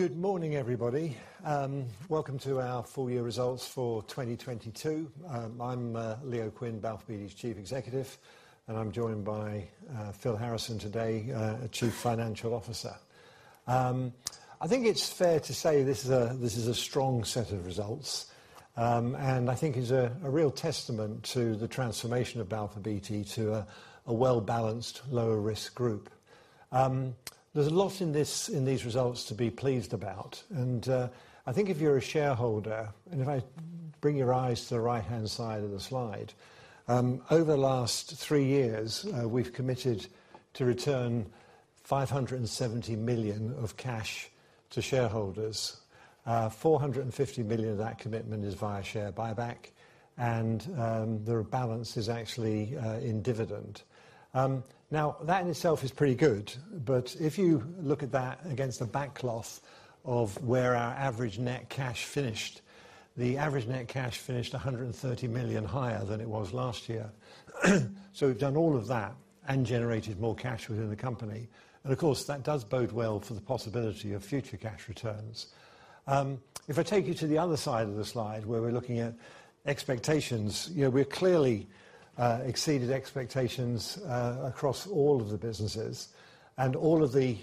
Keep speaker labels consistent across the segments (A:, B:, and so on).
A: Good morning, everybody. Welcome to our full year results for 2022. I'm Leo Quinn, Balfour Beatty's Chief Executive, and I'm joined by Phil Harrison today, Chief Financial Officer. I think it's fair to say this is a strong set of results, and I think is a real testament to the transformation of Balfour Beatty to a well-balanced, lower risk group. There's a lot in these results to be pleased about. I think if you're a shareholder, and if I bring your eyes to the right-hand side of the slide, over the last three years, we've committed to return 570 million of cash to shareholders. 450 million of that commitment is via share buyback, and the balance is actually in dividend. That in itself is pretty good, but if you look at that against the backcloth of where our average net cash finished, the average net cash finished 130 million higher than it was last year. We've done all of that and generated more cash within the company. Of course, that does bode well for the possibility of future cash returns. If I take you to the other side of the slide where we're looking at expectations, you know, we clearly exceeded expectations across all of the businesses and all of the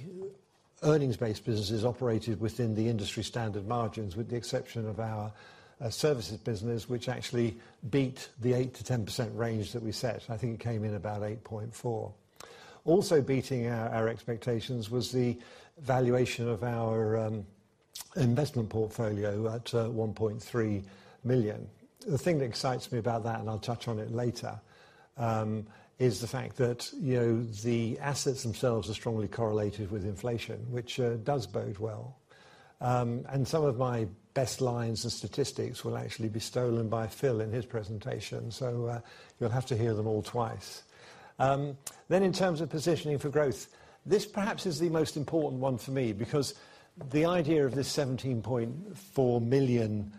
A: earnings-based businesses operated within the industry standard margins, with the exception of our services business, which actually beat the 8%-10% range that we set. I think it came in about 8.4%. Also beating our expectations was the valuation of our investment portfolio at 1.3 million. The thing that excites me about that, and I'll touch on it later, is the fact that, you know, the assets themselves are strongly correlated with inflation, which does bode well. Some of my best lines and statistics will actually be stolen by Phil in his presentation. You'll have to hear them all twice. In terms of positioning for growth, this perhaps is the most important one for me because the idea of this 17.4 million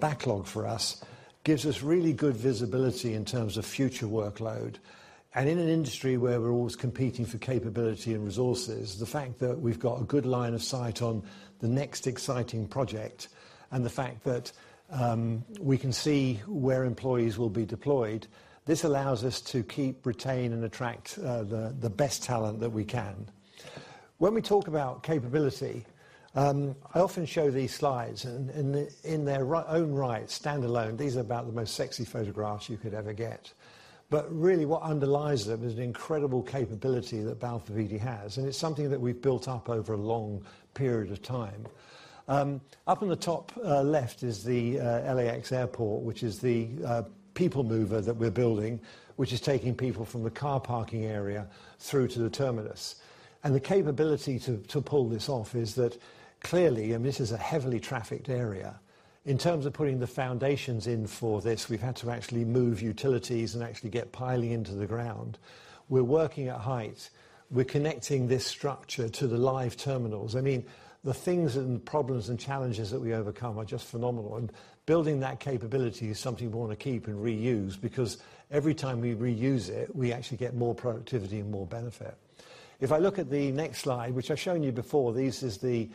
A: backlog for us gives us really good visibility in terms of future workload. In an industry where we're always competing for capability and resources, the fact that we've got a good line of sight on the next exciting project and the fact that we can see where employees will be deployed, this allows us to keep, retain, and attract the best talent that we can. When we talk about capability, I often show these slides in their own right, stand alone, these are about the most sexy photographs you could ever get. Really what underlies them is the incredible capability that Balfour Beatty has, and it's something that we've built up over a long period of time. Up on the top left is the LAX Airport, which is the people mover that we're building, which is taking people from the car parking area through to the terminus. The capability to pull this off is that clearly, I mean, this is a heavily trafficked area. In terms of putting the foundations in for this, we've had to actually move utilities and actually get piling into the ground. We're working at height. We're connecting this structure to the live terminals. I mean, the things and problems and challenges that we overcome are just phenomenal. Building that capability is something we wanna keep and reuse because every time we reuse it, we actually get more productivity and more benefit. If I look at the next slide, which I've shown you before, this is the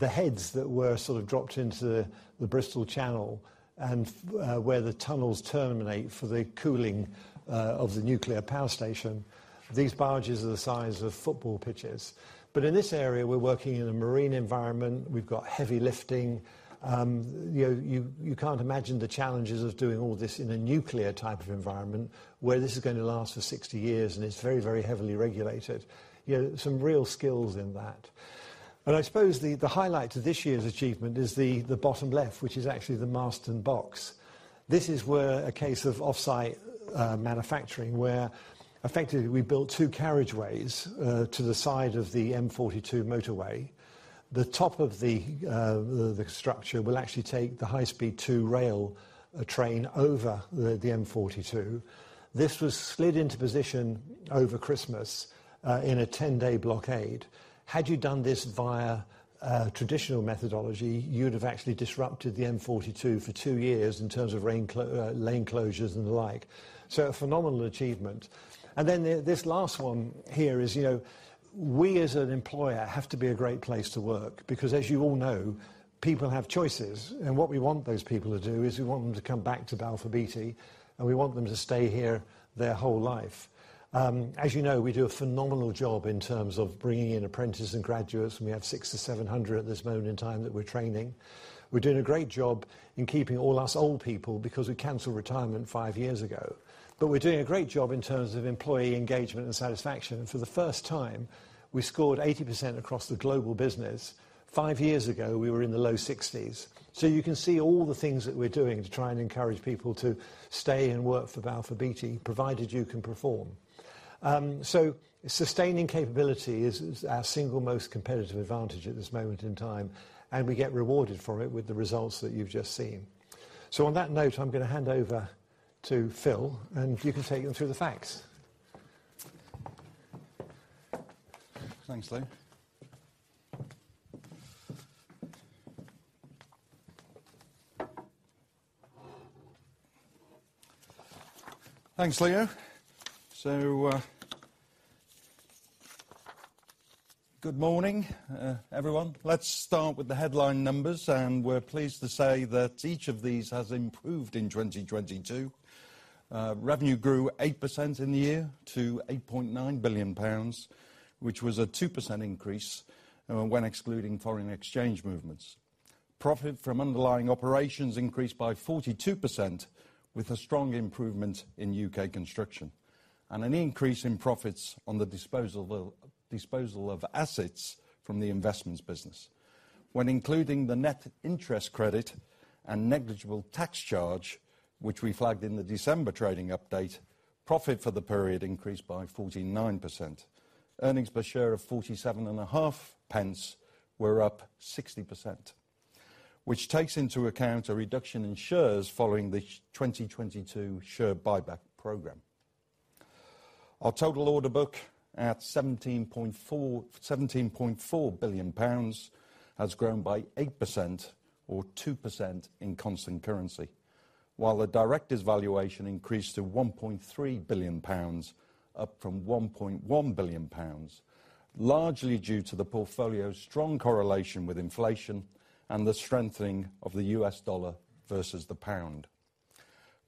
A: heads that were sort of dropped into the Bristol Channel and where the tunnels terminate for the cooling of the nuclear power station. These barges are the size of football pitches. In this area, we're working in a marine environment. We've got heavy lifting. You know, you can't imagine the challenges of doing all this in a nuclear type of environment where this is gonna last for 60 years, and it's very, very heavily regulated. You know, some real skills in that. I suppose the highlight of this year's achievement is the bottom left, which is actually the Marston Box. This is where a case of offsite manufacturing, where effectively, we built two carriageways to the side of the M42 motorway. The top of the structure will actually take the HS2 rail train over the M42. This was slid into position over Christmas in a 10-day blockade. Had you done this via traditional methodology, you'd have actually disrupted the M42 for two years in terms of lane closures and the like. A phenomenal achievement. This last one here is, you know, we, as an employer, have to be a great place to work because as you all know, people have choices. What we want those people to do is we want them to come back to Balfour Beatty, and we want them to stay here their whole life. As you know, we do a phenomenal job in terms of bringing in apprentices and graduates, and we have 600-700 at this moment in time that we're training. We're doing a great job in keeping all us old people because we canceled retirement five years ago. We're doing a great job in terms of employee engagement and satisfaction. For the first time, we scored 80% across the global business. Five years ago, we were in the low sixties. You can see all the things that we're doing to try and encourage people to stay and work for Balfour Beatty, provided you can perform. Sustaining capability is our single most competitive advantage at this moment in time, and we get rewarded for it with the results that you've just seen. On that note, I'm gonna hand over to Phil, and you can take them through the facts.
B: Thanks, Leo. Thanks, Leo. Good morning, everyone. Let's start with the headline numbers. We're pleased to say that each of these has improved in 2022. Revenue grew 8% in the year to 8.9 billion pounds, which was a 2% increase when excluding foreign exchange movements. Profit from underlying operations increased by 42% with a strong improvement in U.K. construction and an increase in profits on the disposal of assets from the investments business. When including the net interest credit and negligible tax charge, which we flagged in the December trading update, profit for the period increased by 49%. Earnings per share of 47.5p were up 60%. Which takes into account a reduction in shares following the 2022 share buyback program. Our total order book at 17.4 billion pounds has grown by 8% or 2% in constant currency, while the directors' valuation increased to 1.3 billion pounds up from 1.1 billion pounds, largely due to the portfolio's strong correlation with inflation and the strengthening of the U.S. dollar versus the pound.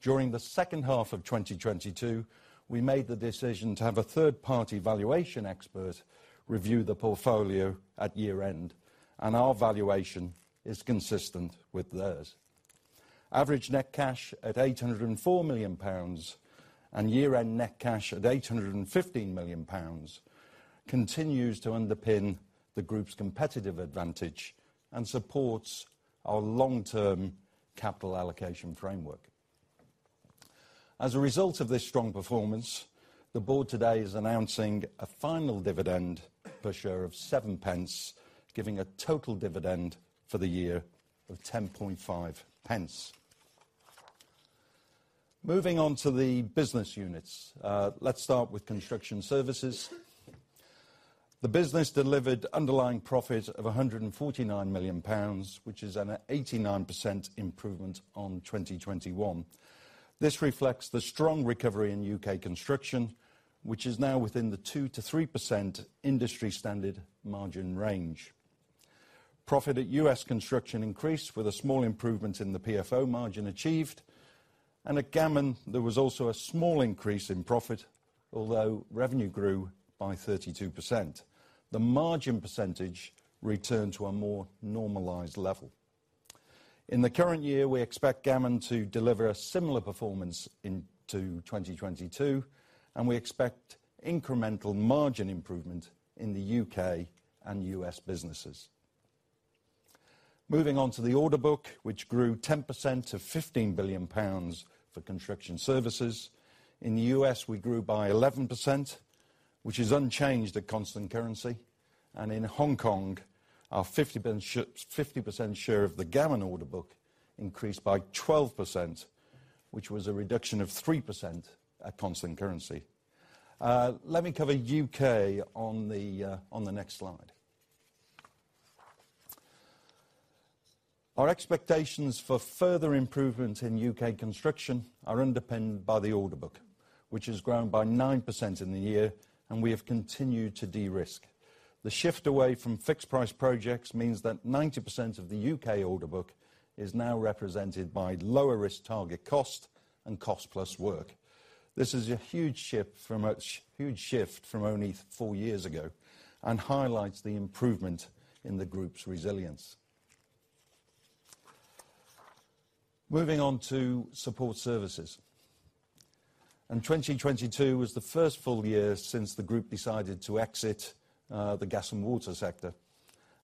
B: During the second half of 2022, we made the decision to have a third-party valuation expert review the portfolio at year-end, and our valuation is consistent with theirs. Average net cash at 804 million pounds and year-end net cash at 815 million pounds continues to underpin the group's competitive advantage and supports our long-term capital allocation framework. As a result of this strong performance, the board today is announcing a final dividend per share of 7p, giving a total dividend for the year of 10.5p. Moving on to the business units. Let's start with Construction Services. The business delivered underlying profit of 149 million pounds, which is an 89% improvement on 2021. This reflects the strong recovery in U.K. construction, which is now within the 2%-3% industry standard margin range. Profit at U.S. construction increased with a small improvement in the PFO margin achieved. At Gammon, there was also a small increase in profit, although revenue grew by 32%. The margin percentage returned to a more normalized level. In the current year, we expect Gammon to deliver a similar performance into 2022, and we expect incremental margin improvement in the U.K. and U.S. businesses. Moving on to the order book, which grew 10% to 15 billion pounds for Construction Services. In the U.S., we grew by 11%, which is unchanged at constant currency. In Hong Kong, our 50% share of the Gammon order book increased by 12%, which was a reduction of 3% at constant currency. Let me cover U.K. on the next slide. Our expectations for further improvement in U.K. construction are underpinned by the order book, which has grown by 9% in the year, and we have continued to de-risk. The shift away from fixed-price projects means that 90% of the U.K. order book is now represented by lower-risk target cost and cost-plus work. This is a huge ship from a huge shift from only four years ago and highlights the improvement in the group's resilience. Moving on to Support Services. In 2022 was the first full year since the group decided to exit the gas and water sector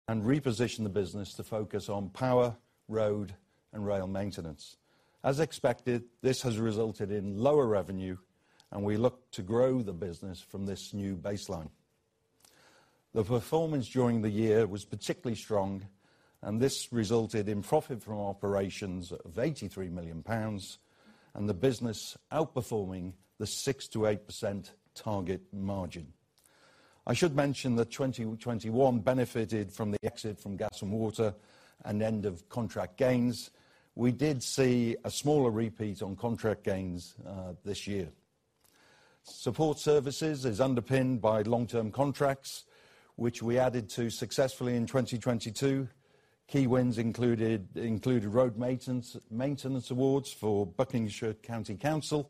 B: and reposition the business to focus on power, road, and rail maintenance. As expected, this has resulted in lower revenue, and we look to grow the business from this new baseline. The performance during the year was particularly strong, and this resulted in profit from operations of 83 million pounds and the business outperforming the 6%-8% target margin. I should mention that 2021 benefited from the exit from gas and water and end of contract gains. We did see a smaller repeat on contract gains this year. Support Services is underpinned by long-term contracts, which we added to successfully in 2022. Key wins included road maintenance awards for Buckinghamshire Council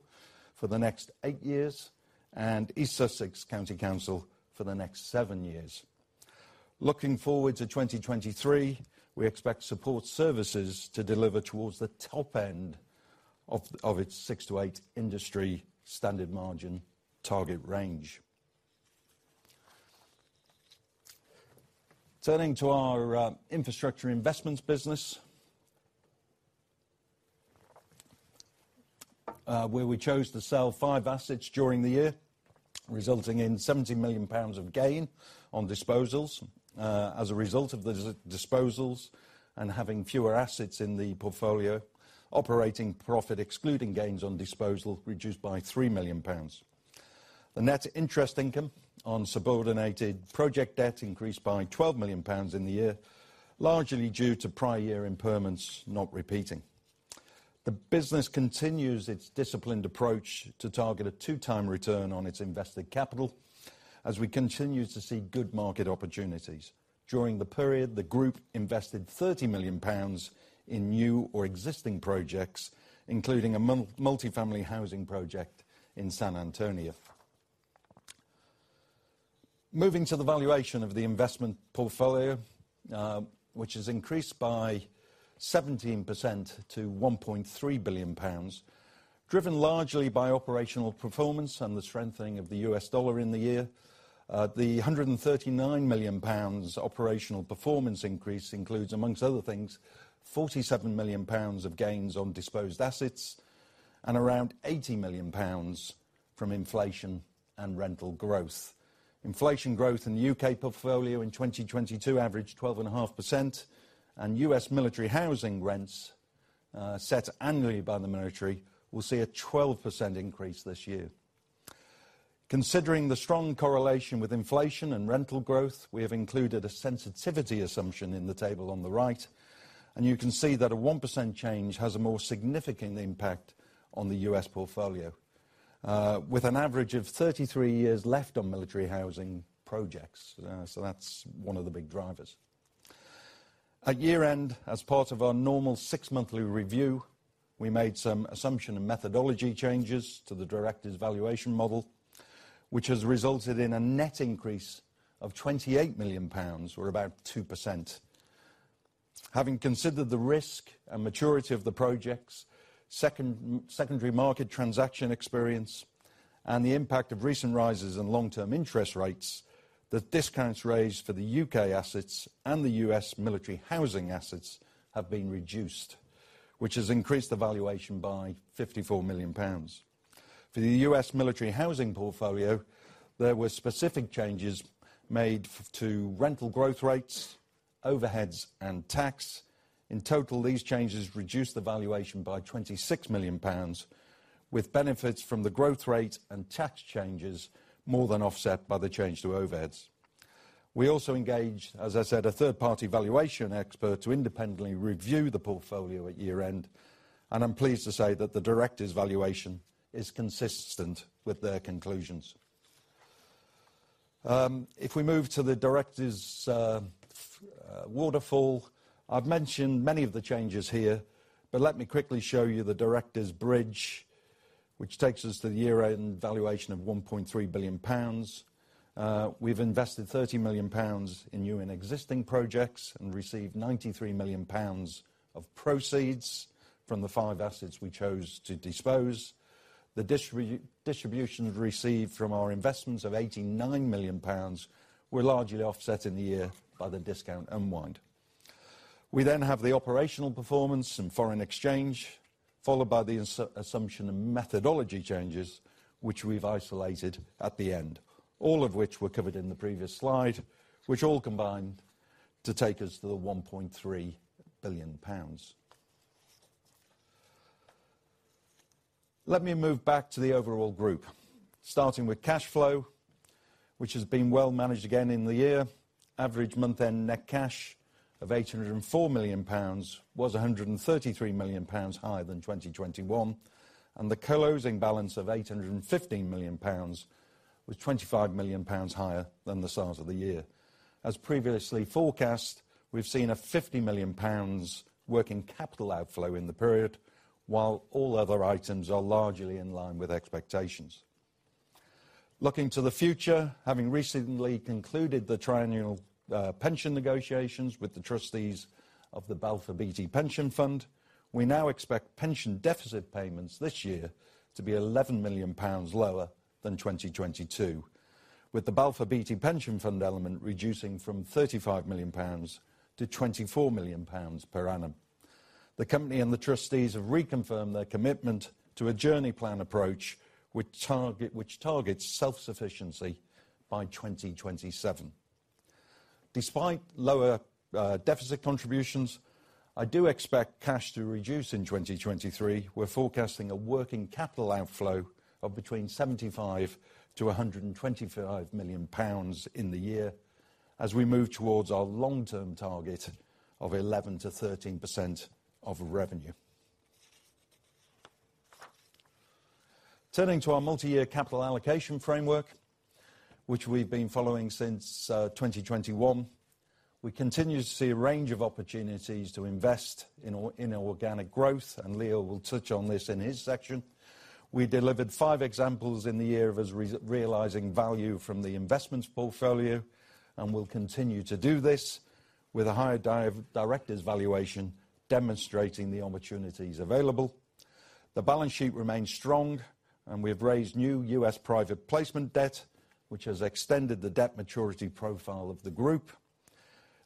B: for the next eight years and East Sussex County Council for the next seven years. Looking forward to 2023, we expect Support Services to deliver towards the top end of its 6%-8% industry standard margin target range. Turning to our infrastructure investments business. Where we chose to sell five assets during the year, resulting in 70 million pounds of gain on disposals. As a result of the disposals and having fewer assets in the portfolio, operating profit excluding gains on disposal reduced by 3 million pounds. The net interest income on subordinated project debt increased by 12 million pounds in the year, largely due to prior year impairments not repeating. The business continues its disciplined approach to target a two-time return on its invested capital as we continue to see good market opportunities. During the period, the group invested 30 million pounds in new or existing projects, including a multifamily housing project in San Antonio. Moving to the valuation of the investment portfolio, which has increased by 17% to 1.3 billion pounds, driven largely by operational performance and the strengthening of the U.S. dollar in the year. The 139 million pounds operational performance increase includes, amongst other things, 47 million pounds of gains on disposed assets and around 80 million pounds from inflation and rental growth. Inflation growth in the U.K. portfolio in 2022 averaged 12.5%, and U.S. military housing rents, set annually by the military, will see a 12% increase this year. Considering the strong correlation with inflation and rental growth, we have included a sensitivity assumption in the table on the right, and you can see that a 1% change has a more significant impact on the U.S. portfolio, with an average of 33 years left on military housing projects. That's one of the big drivers. At year-end, as part of our normal six-monthly review, we made some assumption and methodology changes to the directors' valuation model, which has resulted in a net increase of 28 million pounds, or about 2%. Having considered the risk and maturity of the projects, secondary market transaction experience, and the impact of recent rises in long-term interest rates, the discounts raised for the U.K. assets and the U.S. military housing assets have been reduced, which has increased the valuation by 54 million pounds. For the U.S. military housing portfolio, there were specific changes made to rental growth rates, overheads, and tax. In total, these changes reduced the valuation by 26 million pounds, with benefits from the growth rate and tax changes more than offset by the change to overheads. We also engaged, as I said, a third-party valuation expert to independently review the portfolio at year-end, and I'm pleased to say that the directors' valuation is consistent with their conclusions. If we move to the directors' waterfall, I've mentioned many of the changes here, but let me quickly show you the directors' bridge, which takes us to the year-end valuation of 1.3 billion pounds. We've invested 30 million pounds in new and existing projects and received 93 million pounds of proceeds from the five assets we chose to dispose. The distribution received from our investments of 89 million pounds were largely offset in the year by the discount unwind. We then have the operational performance and foreign exchange, followed by the assumption and methodology changes, which we've isolated at the end. All of which were covered in the previous slide, which all combine to take us to the 1.3 billion pounds. Let me move back to the overall group, starting with cash flow, which has been well managed again in the year. Average month-end net cash of 804 million pounds was 133 million pounds higher than 2021, and the closing balance of 850 million pounds was 25 million pounds higher than the start of the year. As previously forecast, we've seen a 50 million pounds working capital outflow in the period, while all other items are largely in line with expectations. Looking to the future, having recently concluded the triennial pension negotiations with the trustees of the Balfour Beatty Pension Fund, we now expect pension deficit payments this year to be 11 million pounds lower than 2022, with the Balfour Beatty Pension Fund element reducing from 35 million pounds to 24 million pounds per annum. The company and the trustees have reconfirmed their commitment to a journey plan approach which targets self-sufficiency by 2027. Despite lower deficit contributions, I do expect cash to reduce in 2023. We're forecasting a working capital outflow of between 75 million-125 million pounds in the year as we move towards our long-term target of 11%-13% of revenue. Turning to our multi-year capital allocation framework, which we've been following since 2021. We continue to see a range of opportunities to invest in or, in organic growth, and Leo will touch on this in his section. We delivered five examples in the year of us realizing value from the investments portfolio and will continue to do this with a higher director's valuation demonstrating the opportunities available. The balance sheet remains strong, and we've raised new U.S. private placement debt, which has extended the debt maturity profile of the group.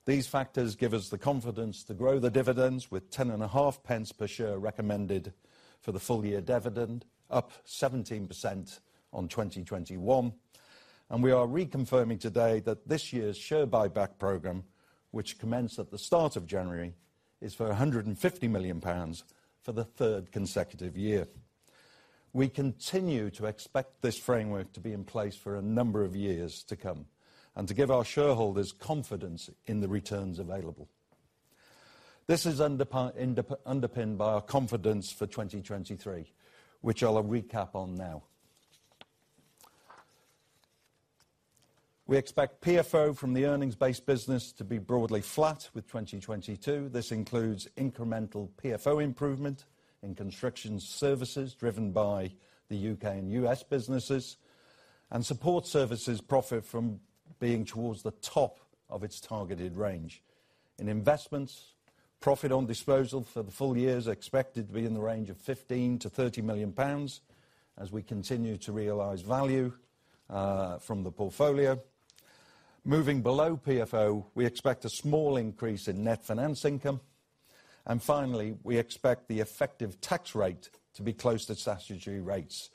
B: These factors give us the confidence to grow the dividends with 10.5p Per share recommended for the full-year dividend, up 17% on 2021. We are reconfirming today that this year's share buyback program, which commenced at the start of January, is for 150 million pounds for the third consecutive year. We continue to expect this framework to be in place for a number of years to come and to give our shareholders confidence in the returns available. This is underpinned by our confidence for 2023, which I'll recap on now. We expect PFO from the earnings-based business to be broadly flat with 2022. This includes incremental PFO improvement in construction services driven by the U.K. and U.S. businesses, and support services profit from being towards the top of its targeted range. In investments, profit on disposal for the full year is expected to be in the range of 15 million-30 million pounds as we continue to realize value from the portfolio. Moving below PFO, we expect a small increase in net finance income. Finally, we expect the effective tax rate to be close to statutory rates,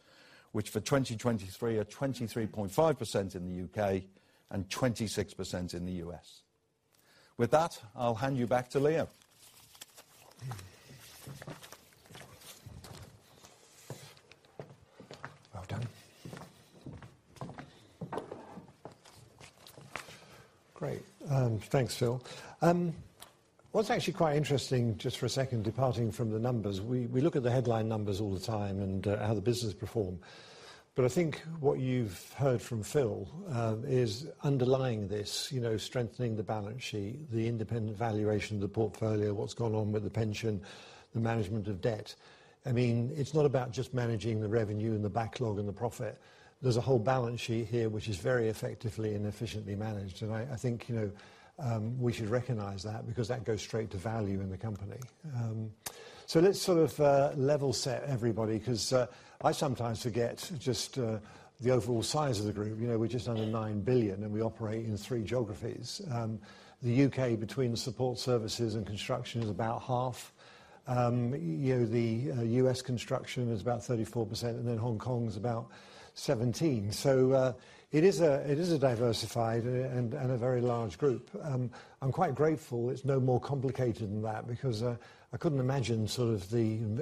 B: which for 2023 are 23.5% in the U.K. and 26% in the U.S. With that, I'll hand you back to Leo.
A: Well done. Great. Thanks, Phil. What's actually quite interesting, just for a second departing from the numbers, we look at the headline numbers all the time and how the business perform. I think what you've heard from Phil is underlying this, you know, strengthening the balance sheet, the independent valuation of the portfolio, what's gone on with the pension, the management of debt. I mean, it's not about just managing the revenue and the backlog and the profit. There's a whole balance sheet here which is very effectively and efficiently managed. I think, you know, we should recognize that because that goes straight to value in the company. Let's sort of level set everybody 'cause I sometimes forget just the overall size of the group. You know, we're just under 9 billion. We operate in three geographies. The U.K. between support services and construction is about half. You know, the U.S. construction is about 34%, and then Hong Kong is about 17%. It is a diversified and a very large group. I'm quite grateful it's no more complicated than that because I couldn't imagine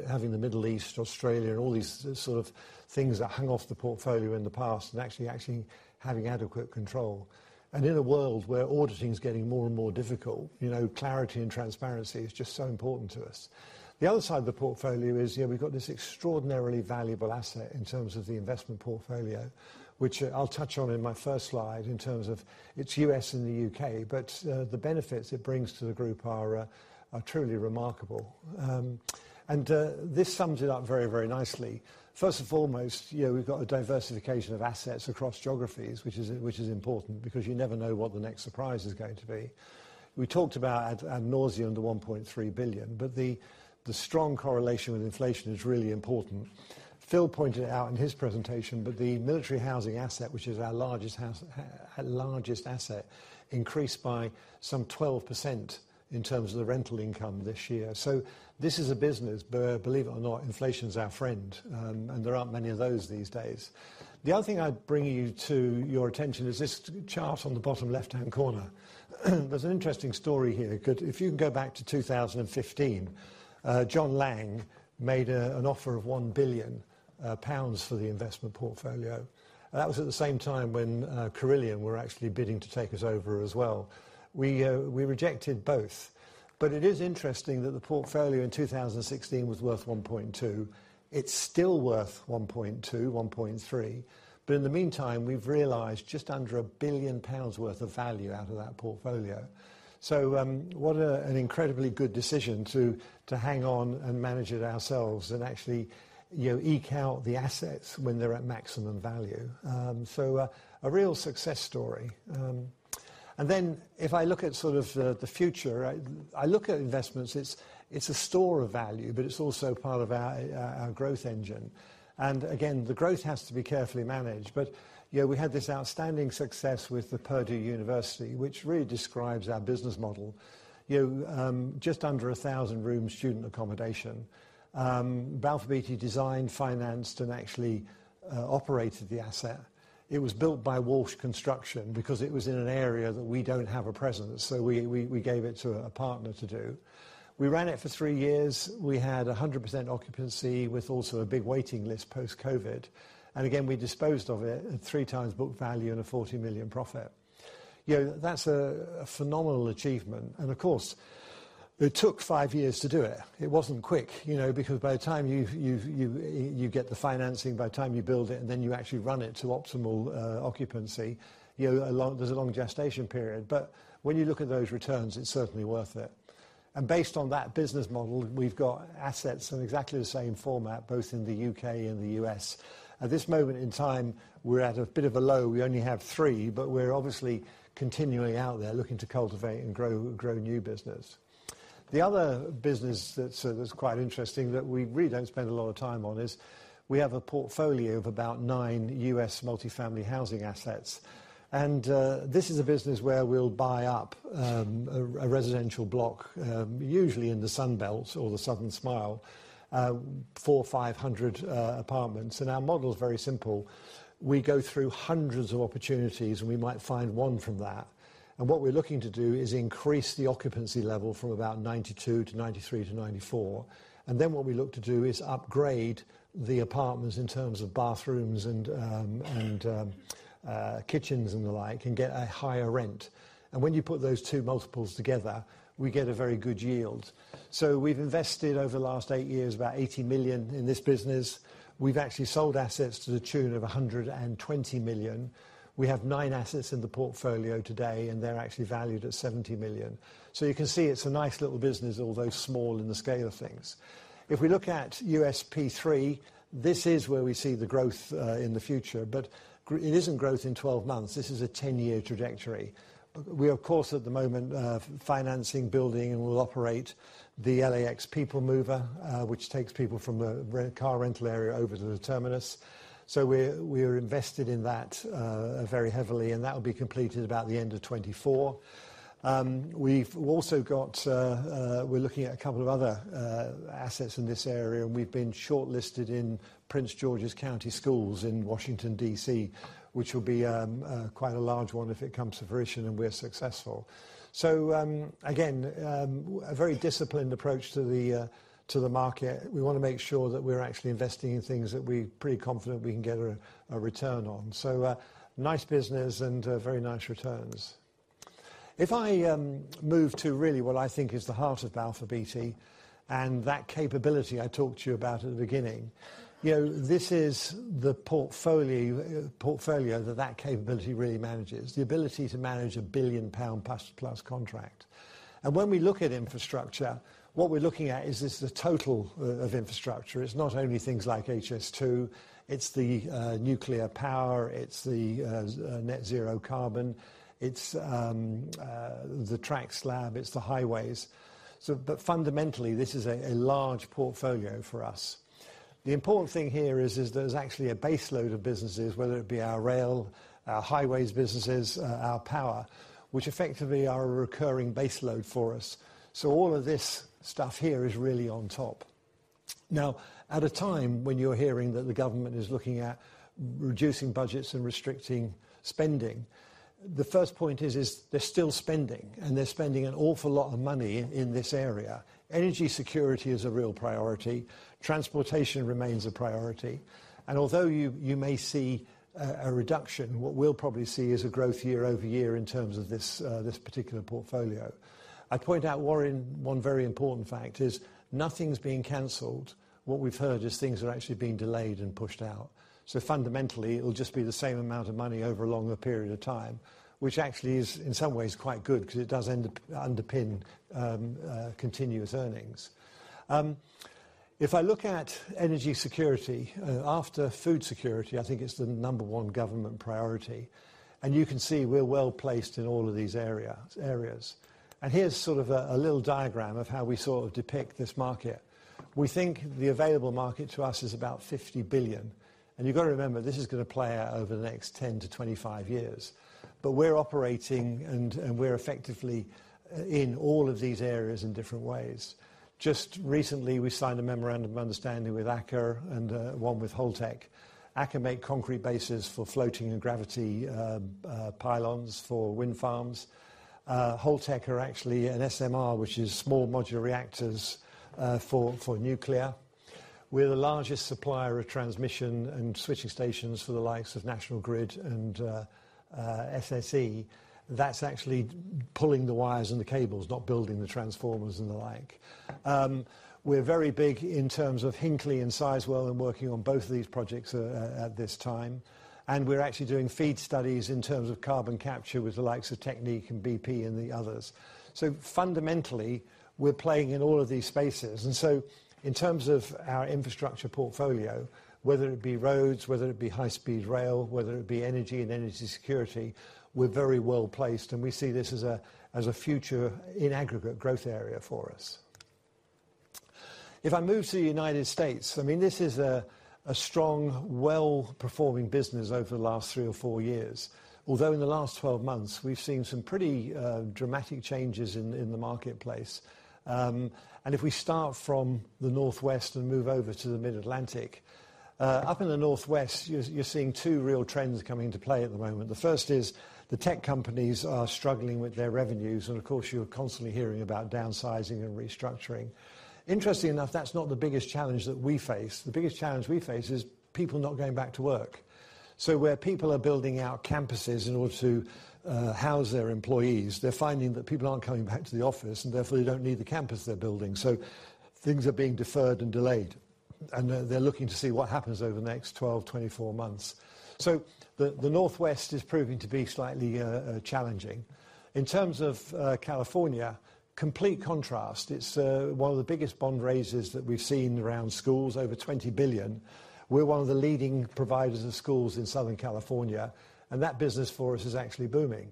A: having the Middle East, Australia, and all these sort of things that hang off the portfolio in the past and actually having adequate control. In a world where auditing is getting more and more difficult, you know, clarity and transparency is just so important to us. The other side of the portfolio is, you know, we've got this extraordinarily valuable asset in terms of the investment portfolio, which, I'll touch on in my first slide in terms of it's U.S. and the U.K. The benefits it brings to the group are truly remarkable. This sums it up very, very nicely. First and foremost, you know, we've got a diversification of assets across geographies which is, which is important because you never know what the next surprise is going to be. We talked about ad nauseam, the 1.3 billion, the strong correlation with inflation is really important. Phil pointed out in his presentation that the military housing asset, which is our largest asset, increased by some 12% in terms of the rental income this year. This is a business where, believe it or not, inflation is our friend. There aren't many of those these days. The other thing I'd bring you to your attention is this chart on the bottom left-hand corner. There's an interesting story here. If you can go back to 2015, John Laing made an offer of 1 billion pounds for the investment portfolio. That was at the same time when Carillion were actually bidding to take us over as well. We rejected both. It is interesting that the portfolio in 2016 was worth 1.2 billion. It's still worth 1.2 billion, 1.3 billion. In the meantime, we've realized just under 1 billion pounds worth of value out of that portfolio. What an incredibly good decision to hang on and manage it ourselves and actually, you know, eke out the assets when they're at maximum value. A real success story. If I look at sort of the future, I look at investments, it's a store of value, but it's also part of our growth engine. The growth has to be carefully managed. You know, we had this outstanding success with the Purdue University, which really describes our business model. You know, just under 1,000 rooms student accommodation. Balfour Beatty designed, financed, and actually operated the asset. It was built by Walsh Construction because it was in an area that we don't have a presence. We gave it to a partner to do. We ran it for three years. We had 100% occupancy with also a big waiting list post-COVID. Again, we disposed of it at 3x book value and a 40 million profit. You know, that's a phenomenal achievement. Of course, it took five years to do it. It wasn't quick, you know, because by the time you've, you get the financing, by the time you build it, and then you actually run it to optimal occupancy, you know, there's a long gestation period. When you look at those returns, it's certainly worth it. Based on that business model, we've got assets in exactly the same format, both in the U.K. and the U.S. At this moment in time, we're at a bit of a low. We only have three, but we're obviously continuing out there looking to cultivate and grow new business. The other business that's quite interesting that we really don't spend a lot of time on is we have a portfolio of about nine U.S. multifamily housing assets. This is a business where we'll buy up a residential block, usually in the Sun Belt or the Southern Smile, 400 or 500 apartments. Our model is very simple. We go through hundreds of opportunities, and we might find one from that. What we're looking to do is increase the occupancy level from about 92%-93%-94%. Then what we look to do is upgrade the apartments in terms of bathrooms and kitchens and the like, and get a higher rent. When you put those two multiples together, we get a very good yield. We've invested over the last eight years, about 80 million in this business. We've actually sold assets to the tune of 120 million. We have nine assets in the portfolio today, and they're actually valued at 70 million. You can see it's a nice little business, although small in the scale of things. If we look at US P3, this is where we see the growth in the future. It isn't growth in 12 months. This is a 10-year trajectory. We, of course, at the moment, financing, building and will operate the LAX people mover, which takes people from the car rental area over to the terminus. We're invested in that very heavily. That will be completed about the end of 2024. We're looking at a couple of other assets in this area, and we've been shortlisted in Prince George's County Schools in Washington, D.C., which will be quite a large one if it comes to fruition and we're successful. Again, a very disciplined approach to the market. We wanna make sure that we're actually investing in things that we're pretty confident we can get a return on. Nice business and very nice returns. If I move to really what I think is the heart of Balfour Beatty and that capability I talked to you about at the beginning, you know, this is the portfolio that that capability really manages, the ability to manage a billion-pound plus contract. When we look at infrastructure, what we're looking at is this, the total of infrastructure. It's not only things like HS2, it's the nuclear power, it's the net zero carbon, it's the track slab, it's the highways. Fundamentally, this is a large portfolio for us. The important thing here is there's actually a base load of businesses, whether it be our rail, our highways businesses, our power, which effectively are a recurring base load for us. All of this stuff here is really on top. At a time when you're hearing that the government is looking at reducing budgets and restricting spending, the first point is they're still spending, and they're spending an awful lot of money in this area. Energy security is a real priority. Transportation remains a priority. Although you may see a reduction, what we'll probably see is a growth year-over-year in terms of this particular portfolio. I point out, Warren, one very important fact is nothing's being canceled. What we've heard is things are actually being delayed and pushed out. Fundamentally, it'll just be the same amount of money over a longer period of time, which actually is in some ways quite good because it does underpin continuous earnings. If I look at energy security, after food security, I think it's the number one government priority. You can see we're well-placed in all of these areas. Here's sort of a little diagram of how we sort of depict this market. We think the available market to us is about 50 billion. You've got to remember, this is gonna play out over the next 10 to 25 years. We're operating and we're effectively in all of these areas in different ways. Just recently, we signed a memorandum of understanding with Aker and one with Holtec. Aker make concrete bases for floating and gravity pylons for wind farms. Holtec are actually an SMR, which is small modular reactors for nuclear. We're the largest supplier of transmission and switching stations for the likes of National Grid and SSE. That's actually pulling the wires and the cables, not building the transformers and the like. We're very big in terms of Hinkley and Sizewell and working on both of these projects at this time. We're actually doing FEED studies in terms of carbon capture with the likes of Technip Energies and BP and the others. Fundamentally, we're playing in all of these spaces. In terms of our infrastructure portfolio, whether it be roads, whether it be high-speed rail, whether it be energy and energy security, we're very well placed, and we see this as a, as a future in aggregate growth area for us. If I move to the United States, I mean, this is a strong, well-performing business over the last three or four years. Although in the last 12 months, we've seen some pretty dramatic changes in the marketplace. If we start from the Northwest and move over to the Mid-Atlantic, up in the Northwest, you're seeing two real trends coming into play at the moment. The first is the tech companies are struggling with their revenues. Of course, you're constantly hearing about downsizing and restructuring. Interestingly enough, that's not the biggest challenge that we face. The biggest challenge we face is people not going back to work. Where people are building out campuses in order to house their employees, they're finding that people aren't coming back to the office, and therefore they don't need the campus they're building. Things are being deferred and delayed, and they're looking to see what happens over the next 12, 24 months. The Northwest is proving to be slightly challenging. In terms of California, complete contrast. It's one of the biggest bond raises that we've seen around schools, over $20 billion. We're one of the leading providers of schools in Southern California, and that business for us is actually booming.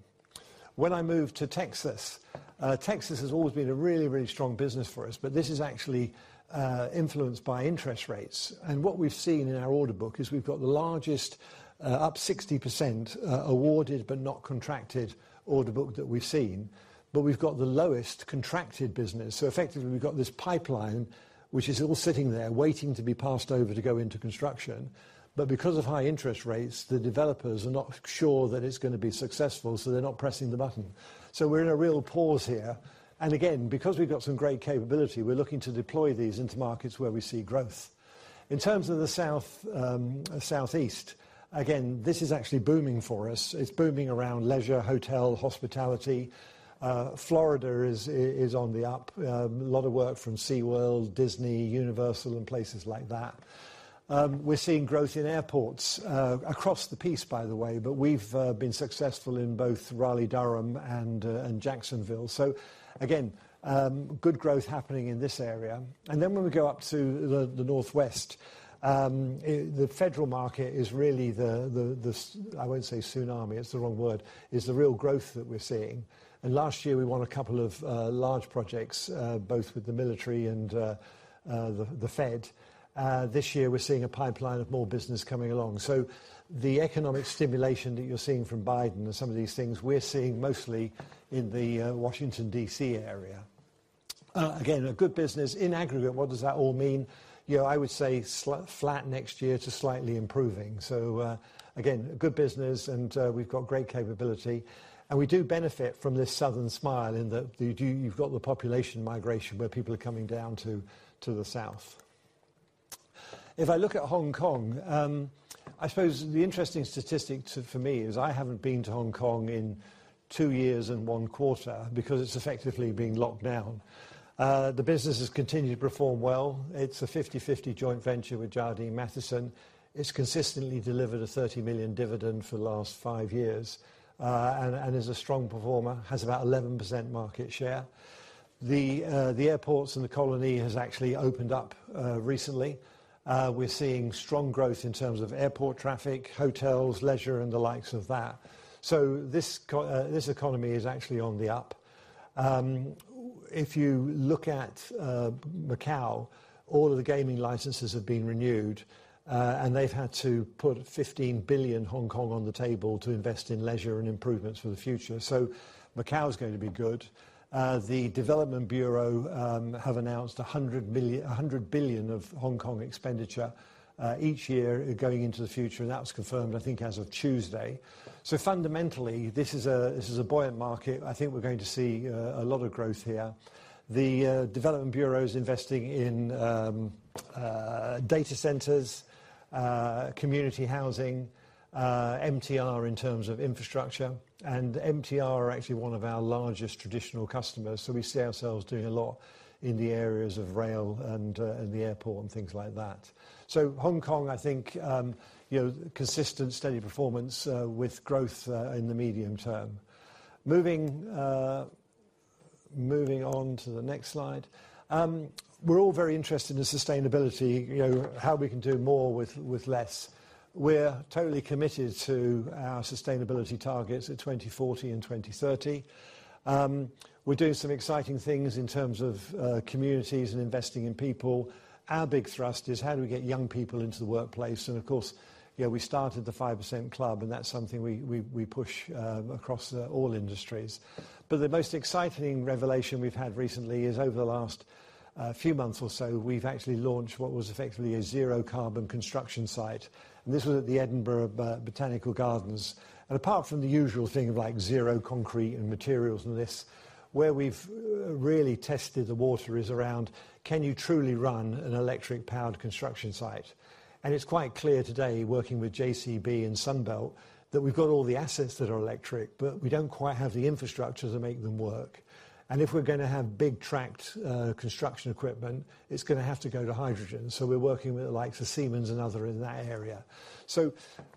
A: When I moved to Texas has always been a really, really strong business for us, but this is actually influenced by interest rates. What we've seen in our order book is we've got the largest up 60% awarded, but not contracted order book that we've seen, but we've got the lowest contracted business. Effectively, we've got this pipeline which is all sitting there waiting to be passed over to go into construction. Because of high interest rates, the developers are not sure that it's gonna be successful, they're not pressing the button. We're in a real pause here. Again, because we've got some great capability, we're looking to deploy these into markets where we see growth. In terms of the South, Southeast, again, this is actually booming for us. It's booming around leisure, hotel, hospitality. Florida is on the up. A lot of work from SeaWorld, Disney, Universal, and places like that. We're seeing growth in airports, across the piece by the way, but we've been successful in both Raleigh, Durham and Jacksonville. Again, good growth happening in this area. When we go up to the Northwest, the federal market is really the, I won't say tsunami, it's the wrong word. Is the real growth that we're seeing. Last year we won a couple of large projects, both with the military and the Fed. This year we're seeing a pipeline of more business coming along. The economic stimulation that you're seeing from Biden and some of these things we're seeing mostly in the Washington D.C. area. Again, a good business. In aggregate, what does that all mean? You know, I would say flat next year to slightly improving. Again, good business and we've got great capability. We do benefit from this southern smile in that you've got the population migration where people are coming down to the south. If I look at Hong Kong, I suppose the interesting statistic to me is I haven't been to Hong Kong in two years and one quarter because it's effectively been locked down. The business has continued to perform well. It's a 50/50 joint venture with Jardine Matheson. It's consistently delivered a 30 million dividend for the last five years and is a strong performer. Has about 11% market share. The airports and the colony has actually opened up recently. We're seeing strong growth in terms of airport traffic, hotels, leisure, and the likes of that. This economy is actually on the up. If you look at Macau, all of the gaming licenses have been renewed, they've had to put 15 billion Hong Kong on the table to invest in leisure and improvements for the future. Macau is going to be good. The Development Bureau have announced 100 billion HKD expenditure each year going into the future, that was confirmed I think as of Tuesday. Fundamentally, this is a buoyant market. I think we're going to see a lot of growth here. The Development Bureau is investing in data centers, community housing, MTR in terms of infrastructure. MTR are actually one of our largest traditional customers. We see ourselves doing a lot in the areas of rail and the airport, and things like that. Hong Kong, I think, you know, consistent steady performance with growth in the medium term. Moving on to the next slide. We're all very interested in sustainability. You know, how we can do more with less. We're totally committed to our sustainability targets at 2040 and 2030. We're doing some exciting things in terms of communities and investing in people. Our big thrust is how do we get young people into the workplace? Of course, you know, we started The 5% Club, and that's something we push across all industries. The most exciting revelation we've had recently is over the last few months or so, we've actually launched what was effectively a zero carbon construction site. This was at the Royal Botanic Garden Edinburgh. Apart from the usual thing of like zero concrete and materials and this, where we've really tested the water is around can you truly run an electric-powered construction site? It's quite clear today, working with JCB and Sunbelt, that we've got all the assets that are electric, but we don't quite have the infrastructure to make them work. If we're gonna have big tracked construction equipment, it's gonna have to go to hydrogen. We're working with the likes of Siemens and other in that area.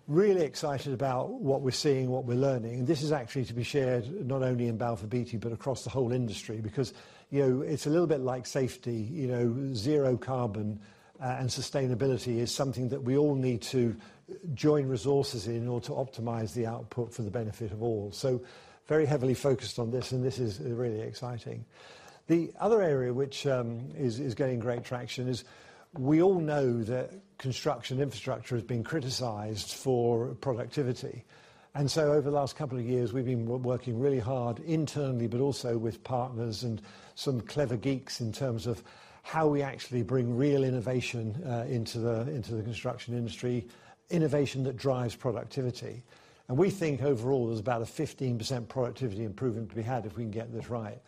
A: Really excited about what we're seeing, what we're learning. This is actually to be shared not only in Balfour Beatty, but across the whole industry because, you know, it's a little bit like safety. You know, zero carbon and sustainability is something that we all need to join resources in order to optimize the output for the benefit of all. Very heavily focused on this, and this is really exciting. The other area which is getting great traction is we all know that construction infrastructure has been criticized for productivity. Over the last couple of years, we've been working really hard internally, but also with partners and some clever geeks in terms of how we actually bring real innovation into the construction industry, innovation that drives productivity. We think overall there's about a 15% productivity improvement to be had if we can get this right.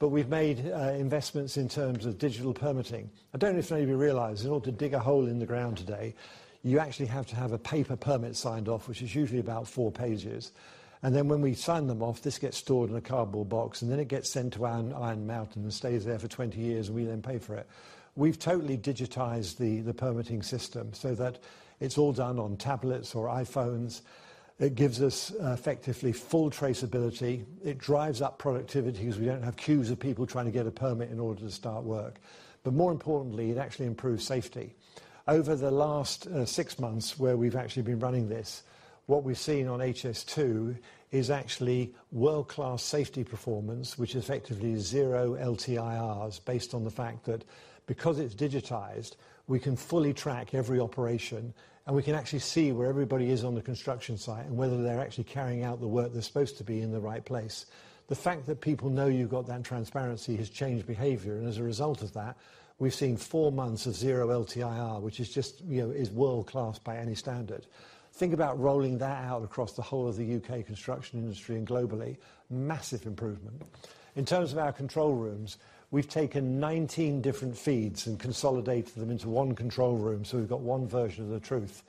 A: We've made investments in terms of digital permitting. I don't know if any of you realize, in order to dig a hole in the ground today, you actually have to have a paper permit signed off, which is usually about four pages. When we sign them off, this gets stored in a cardboard box, then it gets sent to Iron Mountain and stays there for 20 years, we then pay for it. We've totally digitized the permitting system so that it's all done on tablets or iPhones. It gives us effectively full traceability. It drives up productivity 'cause we don't have queues of people trying to get a permit in order to start work. More importantly, it actually improves safety. Over the last six months where we've actually been running this, what we've seen on HS2 is actually world-class safety performance, which is effectively zero LTIRs based on the fact that because it's digitized, we can fully track every operation, and we can actually see where everybody is on the construction site and whether they're actually carrying out the work they're supposed to be in the right place. The fact that people know you've got that transparency has changed behavior. As a result of that, we've seen four months of zero LTIR, which is just, you know, is world-class by any standard. Think about rolling that out across the whole of the U.K. construction industry and globally. Massive improvement. In terms of our control rooms, we've taken 19 different feeds and consolidated them into one control room, so we've got one version of the truth.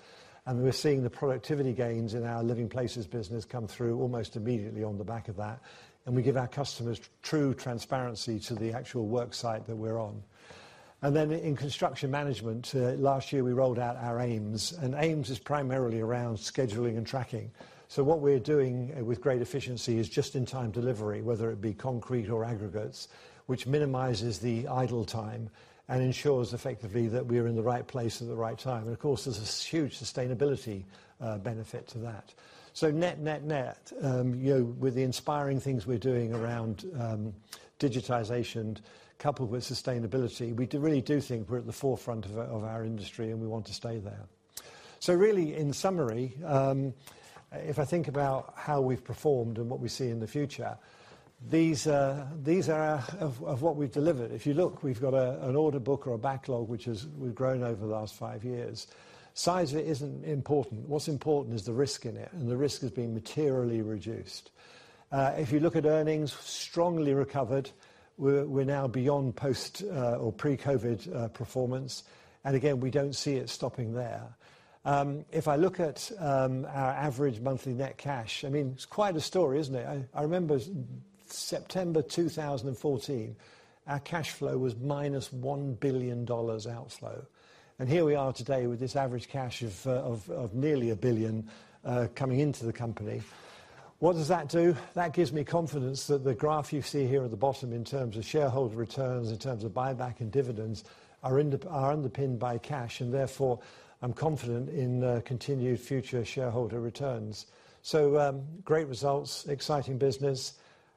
A: We're seeing the productivity gains in our Living Places business come through almost immediately on the back of that. We give our customers true transparency to the actual work site that we're on. In construction management, last year, we rolled out our AIMS. AIMS is primarily around scheduling and tracking. What we're doing, with great efficiency, is just-in-time delivery, whether it be concrete or aggregates, which minimizes the idle time and ensures effectively that we're in the right place at the right time. Of course, there's this huge sustainability benefit to that. Net, net, you know, with the inspiring things we're doing around digitization coupled with sustainability, we really do think we're at the forefront of our industry. We want to stay there. Really, in summary, if I think about how we've performed and what we see in the future, these are of what we've delivered. If you look, we've got an order book or a backlog which we've grown over the last five years. Size of it isn't important. What's important is the risk in it, and the risk has been materially reduced. If you look at earnings, strongly recovered. We're now beyond post or pre-COVID performance. Again, we don't see it stopping there. If I look at our average monthly net cash, I mean, it's quite a story, isn't it? I remember September 2014, our cash flow was minus $1 billion outflow. Here we are today with this average cash of nearly 1 billion coming into the company. What does that do? That gives me confidence that the graph you see here at the bottom in terms of shareholder returns, in terms of buyback and dividends, are underpinned by cash, and therefore, I'm confident in continued future shareholder returns. Great results, exciting business.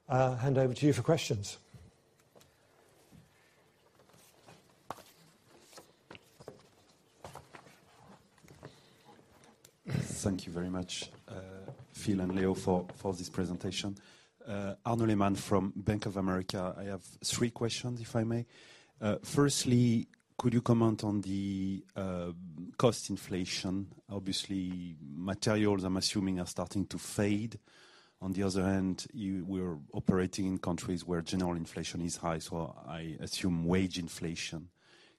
A: Hand over to you for questions.
C: Thank you very much, Phil and Leo, for this presentation. Arnaud Lehmann from Bank of America. I have three questions, if I may. Firstly, could you comment on the cost inflation? Obviously, materials, I'm assuming, are starting to fade. On the other hand, you were operating in countries where general inflation is high, so I assume wage inflation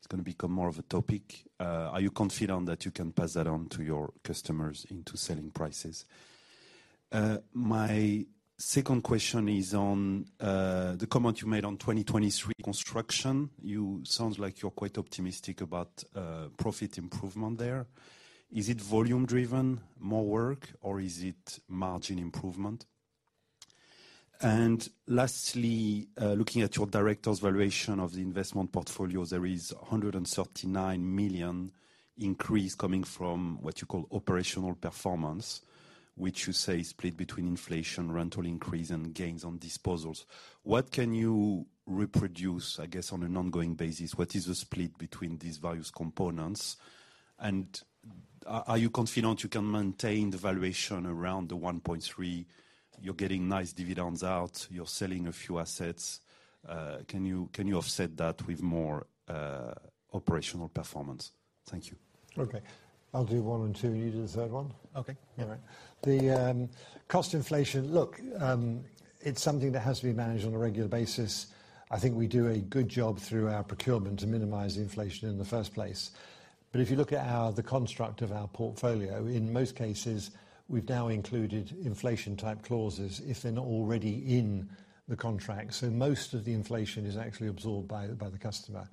C: is gonna become more of a topic. Are you confident that you can pass that on to your customers into selling prices? My second question is on the comment you made on 2023 construction. You sounds like you're quite optimistic about profit improvement there. Is it volume driven, more work, or is it margin improvement? Lastly, looking at your director's valuation of the investment portfolio, there is a 139 million increase coming from what you call operational performance, which you say is split between inflation, rental increase, and gains on disposals. What can you reproduce, I guess, on an ongoing basis? What is the split between these various components, and are you confident you can maintain the valuation around the 1.3? You're getting nice dividends out. You're selling a few assets. Can you, can you offset that with more operational performance? Thank you.
A: Okay. I'll do one and two, and you do the third one.
B: Okay.
A: All right. The cost inflation, look, it's something that has to be managed on a regular basis. I think we do a good job through our procurement to minimize inflation in the first place. If you look at our, the construct of our portfolio, in most cases, we've now included inflation-type clauses, if they're not already in the contract. Most of the inflation is actually absorbed by the customer.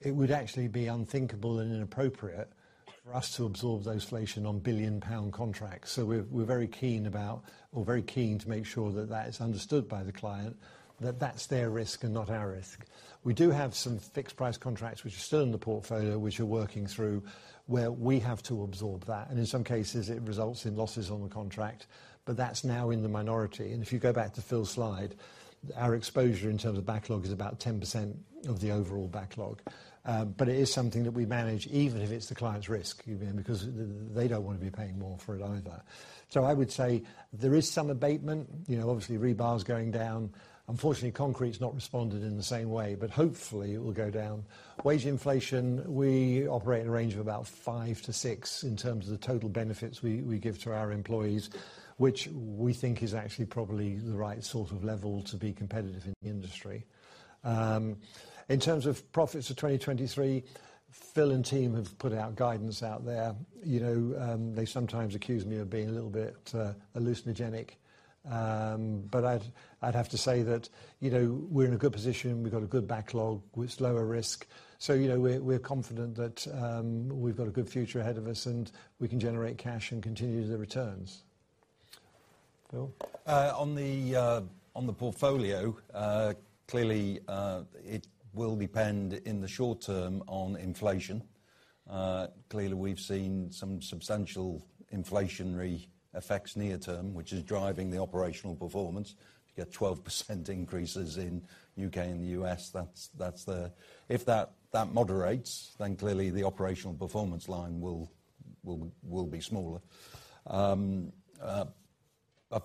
A: It would actually be unthinkable and inappropriate for us to absorb those inflation on billion-pound contracts. We're very keen to make sure that that is understood by the client, that that's their risk and not our risk. We do have some fixed price contracts which are still in the portfolio, which we're working through, where we have to absorb that, and in some cases, it results in losses on the contract. That's now in the minority. If you go back to Phil's slide, our exposure in terms of backlog is about 10% of the overall backlog. It is something that we manage, even if it's the client's risk, because they don't wanna be paying more for it either. I would say there is some abatement. You know, obviously rebar's going down. Unfortunately, concrete's not responded in the same way, but hopefully it will go down. Wage inflation, we operate in a range of about 5%-6% in terms of the total benefits we give to our employees, which we think is actually probably the right sort of level to be competitive in the industry. In terms of profits of 2023, Phil and team have put out guidance out there. You know, they sometimes accuse me of being a little bit hallucinogenic. I'd have to say that, you know, we're in a good position. We've got a good backlog with lower risk. You know, we're confident that we've got a good future ahead of us, and we can generate cash and continue the returns. Phil?
B: On the portfolio, it will depend in the short term on inflation. We've seen some substantial inflationary effects near term, which is driving the operational performance. To get 12% increases in U.K. and the U.S., that's. If that moderates, the operational performance line will be smaller.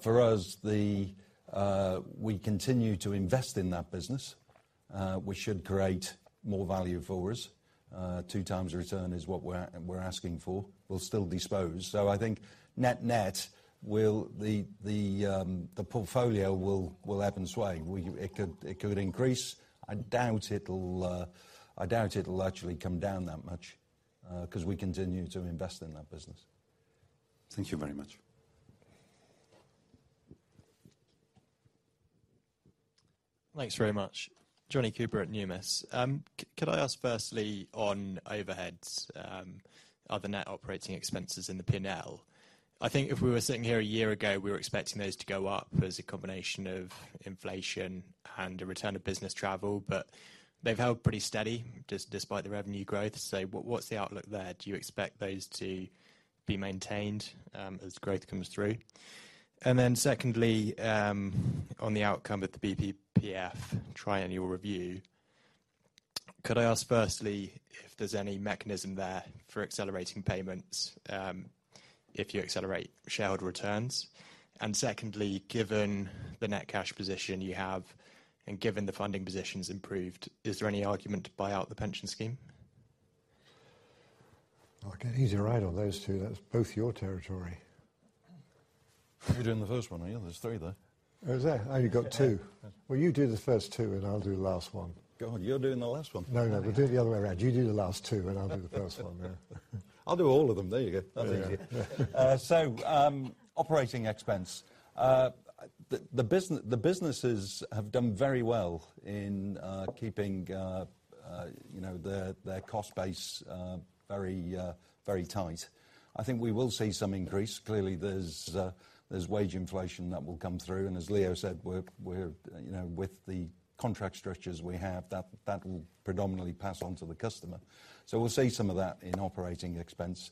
B: For us, we continue to invest in that business, which should create more value for us. Two times return is what we're asking for. We'll still dispose. I think net-net, the portfolio will ebb and sway. It could increase. I doubt it'll actually come down that much, 'cause we continue to invest in that business. Thank you very much.
D: Thanks very much. Jonny Cooper at Numis. Could I ask firstly on overheads, are the net operating expenses in the P&L? I think if we were sitting here a year ago, we were expecting those to go up as a combination of inflation and a return of business travel. They've held pretty steady despite the revenue growth. What's the outlook there? Do you expect those to be maintained, as growth comes through? Secondly, on the outcome with the BPPF triennial review, could I ask firstly if there's any mechanism there for accelerating payments, if you accelerate shareholder returns? Secondly, given the net cash position you have and given the funding position's improved, is there any argument to buy out the pension scheme?
B: I'll get you to ride on those two. That's both your territory. You're doing the first one, are you? There's three there. Oh, is there? I only got two. Well, you do the first two, and I'll do the last one. Go on. You're doing the last one. No, no, do it the other way around. You do the last two, and I'll do the first one. Yeah. I'll do all of them. There you go. That's easier. Yeah. Operating expense. The businesses have done very well in keeping, you know, their cost base, very, very tight. I think we will see some increase. Clearly, there's wage inflation that will come through. As Leo Quinn said, we're, you know, with the contract structures we have, that will predominantly pass on to the customer. We'll see some of that in OpEx.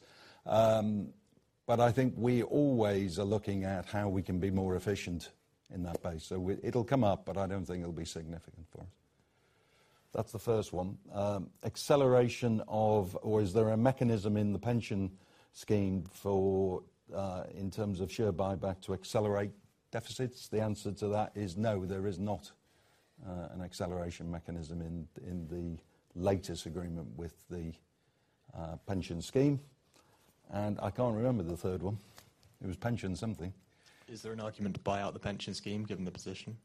B: I think we always are looking at how we can be more efficient in that base. It'll come up, but I don't think it'll be significant for us. That's the first one. Acceleration of, or is there a mechanism in the pension scheme for, in terms of share buyback to accelerate deficits? The answer to that is no. There is not an acceleration mechanism in the latest agreement with the pension scheme. I can't remember the third one. It was pension something.
D: Is there an argument to buy out the pension scheme given the position?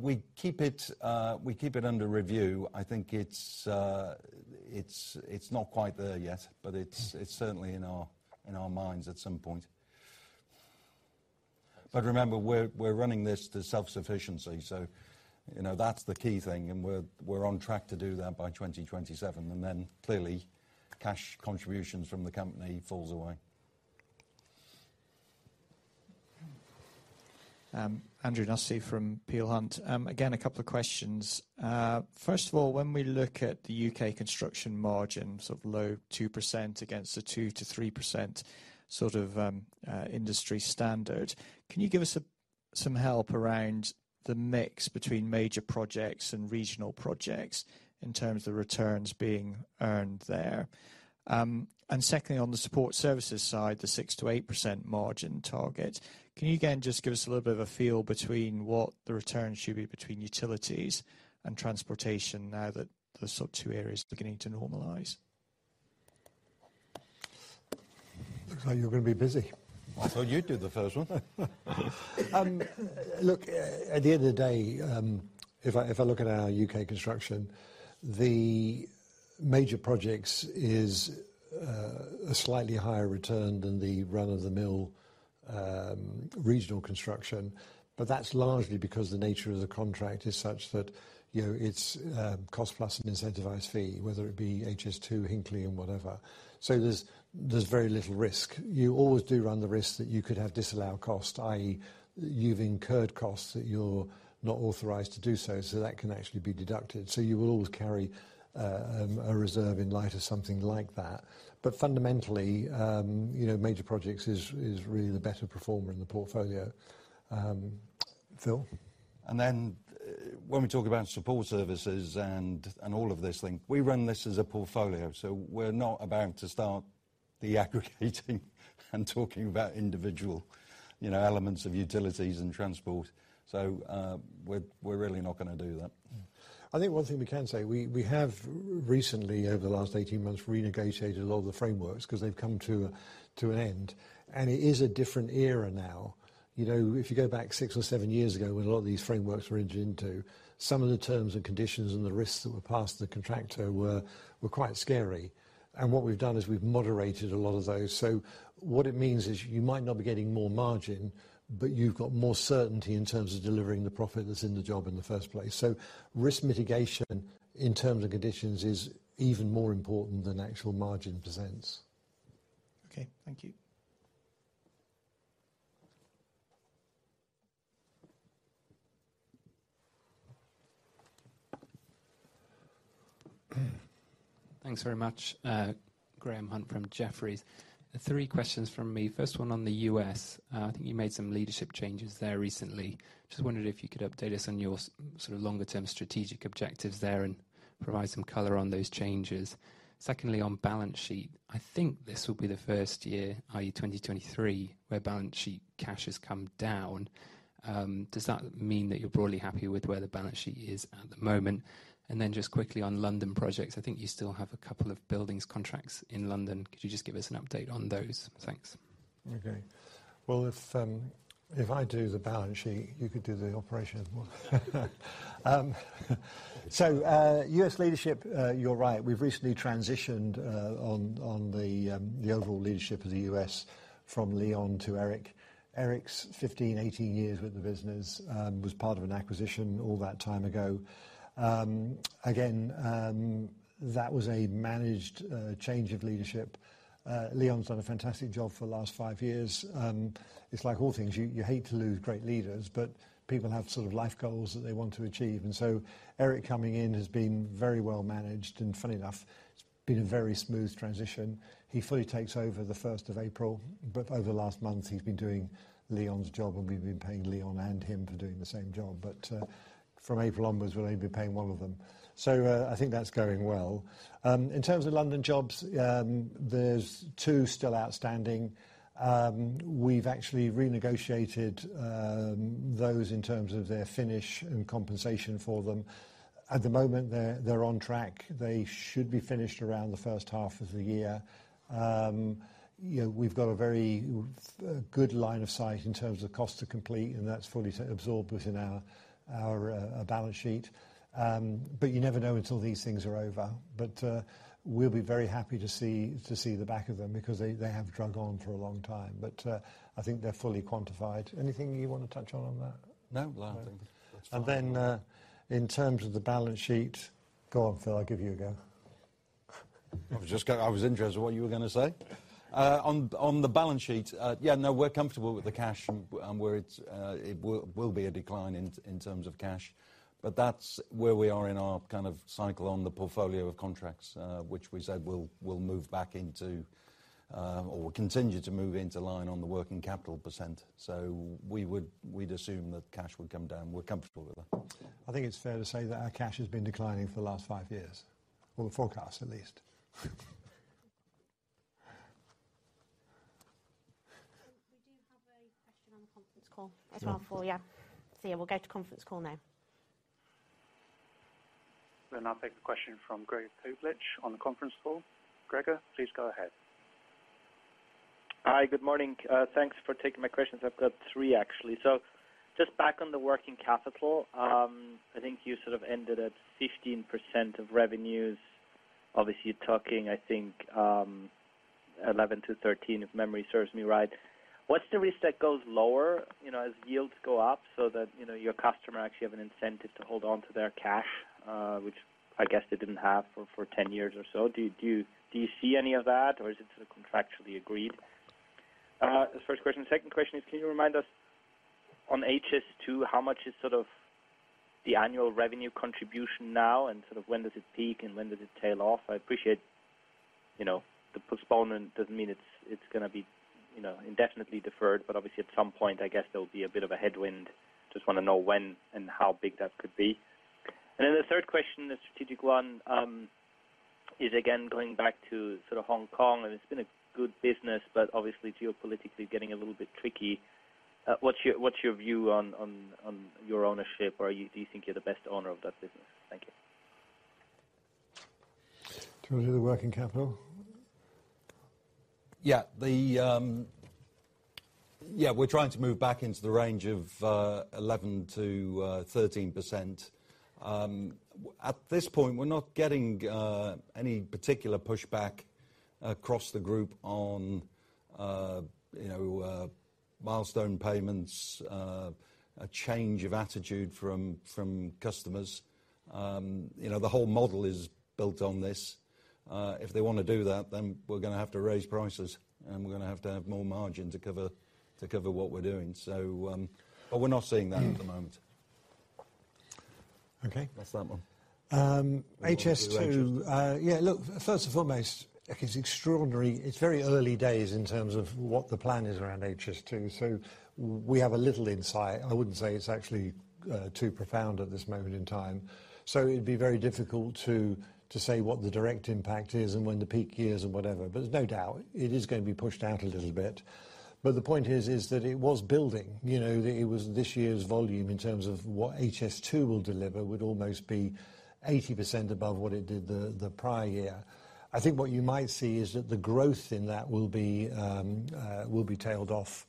B: We keep it under review. I think it's not quite there yet, but it's certainly in our minds at some point. Remember, we're running this to self-sufficiency, so, you know, that's the key thing, and we're on track to do that by 2027. Then clearly, cash contributions from the company falls away.
E: Andrew Nussey from Peel Hunt. Again, a couple of questions. First of all, when we look at the U.K. construction margins of low 2% against the 2%-3% industry standard, can you give us some help around the mix between major projects and regional projects in terms of the returns being earned there? Secondly, on the support services side, the 6%-8% margin target, can you again just give us a little bit of a feel between what the return should be between utilities and transportation now that those two areas are beginning to normalize?
B: Looks like you're gonna be busy. I thought you'd do the first one. Look, at the end of the day, if I look at our U.K. construction, the major projects is a slightly higher return than the run-of-the-mill regional construction, but that's largely because the nature of the contract is such that, you know, it's cost plus an incentivized fee, whether it be HS2, Hinkley and whatever. There's very little risk. You always do run the risk that you could have disallowed cost, i.e. you've incurred costs that you're not authorized to do so. That can actually be deducted. You will always carry a reserve in light of something like that. Fundamentally, you know, major projects is really the better performer in the portfolio. Phil. When we talk about support services and all of this thing, we run this as a portfolio. We're not about to start the aggregating and talking about individual, you know, elements of utilities and transport. We're really not gonna do that. I think one thing we can say, we have recently, over the last 18 months, renegotiated a lot of the frameworks 'cause they've come to an end. It is a different era now. You know, if you go back six or seven years ago, when a lot of these frameworks were entered into, some of the terms and conditions and the risks that were passed to the contractor were quite scary. What we've done is we've moderated a lot of those. What it means is you might not be getting more margin, but you've got more certainty in terms of delivering the profit that's in the job in the first place. Risk mitigation in terms and conditions is even more important than actual margin presents.
E: Okay. Thank you.
F: Thanks very much. Graham Hunt from Jefferies. Three questions from me. First one on the U.S. I think you made some leadership changes there recently. Just wondered if you could update us on your sort of longer term strategic objectives there and provide some color on those changes. Secondly, on balance sheet, I think this will be the first year, i.e., 2023, where balance sheet cash has come down. Does that mean that you're broadly happy with where the balance sheet is at the moment? Then just quickly on London projects, I think you still have a couple of buildings contracts in London. Could you just give us an update on those? Thanks.
A: Okay. Well, if I do the balance sheet, you could do the operation as well. U.S. leadership, you're right. We've recently transitioned on the overall leadership of the U.S. from Leon to Eric. Eric's 15, 18 years with the business, was part of an acquisition all that time ago. Again, that was a managed change of leadership. Leon's done a fantastic job for the last five years. It's like all things, you hate to lose great leaders, but people have sort of life goals that they want to achieve. Eric coming in has been very well managed, and funny enough, it's been a very smooth transition. He fully takes over the first of April, but over the last month, he's been doing Leon's job, and we've been paying Leon and him for doing the same job. From April onwards, we'll only be paying one of them. I think that's going well. In terms of London jobs, there's two still outstanding. We've actually renegotiated those in terms of their finish and compensation for them. At the moment, they're on track. They should be finished around the first half of the year. You know, we've got a very good line of sight in terms of cost to complete, and that's fully absorbed within our balance sheet. You never know until these things are over. We'll be very happy to see the back of them because they have drug on for a long time. I think they're fully quantified. Anything you wanna touch on on that?
B: No.
A: Then, in terms of the balance sheet. Go on, Phil, I'll give you a go.
B: I was interested what you were gonna say. On the balance sheet, yeah, no, we're comfortable with the cash and where it's, it will be a decline in terms of cash. That's where we are in our kind of cycle on the portfolio of contracts, which we said we'll move back into, or continue to move into line on the working capital %. We'd assume that cash would come down. We're comfortable with that.
A: I think it's fair to say that our cash has been declining for the last five years. Well, the forecast at least.
G: We do have a question on the conference call as well for you. We'll go to conference call now.
H: I'll take the question from Gregor Kuglitsch on the conference call. Gregor, please go ahead.
I: Hi, good morning. Thanks for taking my questions. I've got three, actually. Just back on the working capital, I think you sort of ended at 15% of revenues. Obviously, you're talking, I think, 11%-13%, if memory serves me right. What's the risk that goes lower, you know, as yields go up so that, you know, your customer actually have an incentive to hold on to their cash, which I guess they didn't have for 10 years or so? Do you see any of that, or is it sort of contractually agreed? That's the first question. Second question is, can you remind us on HS2, how much is sort of the annual revenue contribution now, and sort of when does it peak and when does it tail off? I appreciate, you know, the postponement doesn't mean it's gonna be, you know, indefinitely deferred, but obviously at some point I guess there'll be a bit of a headwind. Just wanna know when and how big that could be. The third question, the strategic one, is again going back to sort of Hong Kong, and it's been a good business, but obviously geopolitically getting a little bit tricky. What's your, what's your view on, on your ownership? Do you think you're the best owner of that business? Thank you.
A: Do you wanna do the working capital?
B: We're trying to move back into the range of 11%-13%. At this point, we're not getting any particular pushback across the group on, you know, milestone payments, a change of attitude from customers. You know, the whole model is built on this. If they wanna do that, then we're gonna have to raise prices, and we're gonna have to have more margin to cover what we're doing. We're not seeing that at the moment.
A: Okay.
B: That's that one.
A: HS2. First and foremost, it's extraordinary. It's very early days in terms of what the plan is around HS2. We have a little insight. I wouldn't say it's actually too profound at this moment in time. It'd be very difficult to say what the direct impact is and when the peak years or whatever, but there's no doubt it is gonna be pushed out a little bit. The point is that it was building. You know, it was this year's volume in terms of what HS2 will deliver would almost be 80% above what it did the prior year. I think what you might see is that the growth in that will be tailed off.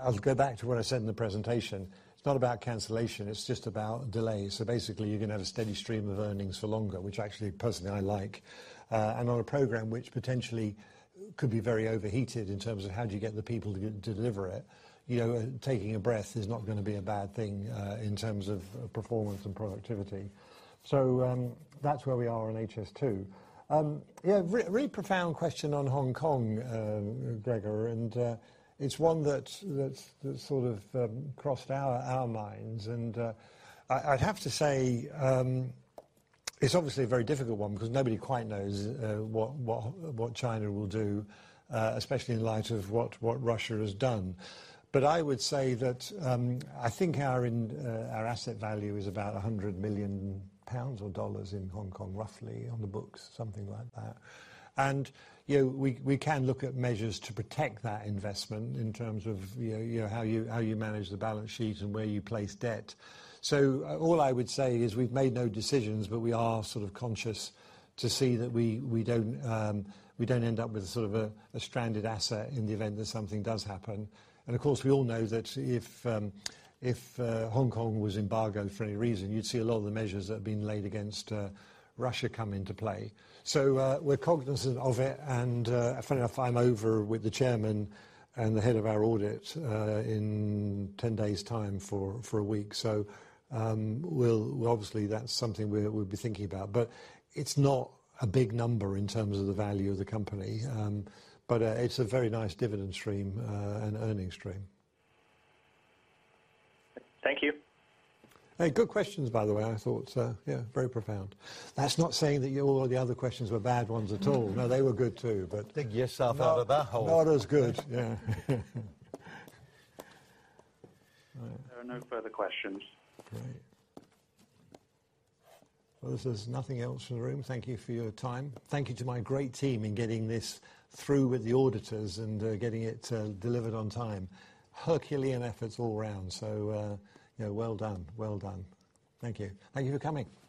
A: I'll go back to what I said in the presentation. It's not about cancellation, it's just about delay. Basically, you're gonna have a steady stream of earnings for longer, which actually, personally, I like. On a program which potentially could be very overheated in terms of how do you get the people to deliver it, you know, taking a breath is not gonna be a bad thing, in terms of performance and productivity. That's where we are on HS2. Yeah, real profound question on Hong Kong, Gregor, and it's one that's sort of crossed our minds and I'd have to say, it's obviously a very difficult one because nobody quite knows what China will do, especially in light of what Russia has done. I would say that, I think our asset value is about 100 million pounds or HKD 100 million in Hong Kong, roughly, on the books, something like that. You know, we can look at measures to protect that investment in terms of, you know, how you manage the balance sheet and where you place debt. All I would say is we've made no decisions, but we are sort of conscious to see that we don't end up with sort of a stranded asset in the event that something does happen. Of course, we all know that if Hong Kong was embargoed for any reason, you'd see a lot of the measures that have been laid against Russia come into play. We're cognizant of it and funny enough, I'm over with the chairman and the head of our audit in 10 days' time for a week. Obviously, that's something we'll be thinking about, but it's not a big number in terms of the value of the company. It's a very nice dividend stream and earning stream.
I: Thank you.
A: Hey, good questions, by the way, I thought. Yeah, very profound. That's not saying that all the other questions were bad ones at all. No, they were good too.
B: Dig yourself out of that hole.
A: Not as good. Yeah.
H: There are no further questions.
A: Great. Well, if there's nothing else in the room, thank you for your time. Thank you to my great team in getting this through with the auditors and getting it delivered on time. Herculean efforts all round. You know, well done. Well done. Thank you. Thank you for coming.
B: Thank you.